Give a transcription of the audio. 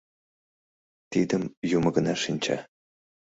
Тидым Юмо гына шинча.